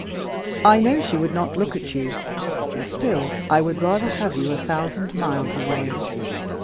I know she would not look at you; still I would rather have you a thousand miles away.